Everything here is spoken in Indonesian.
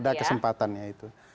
ada kesempatannya itu